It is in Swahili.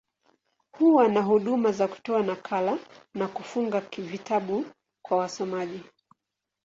Huwa na huduma za kutoa nakala, na kufunga vitabu kwa wasomaji.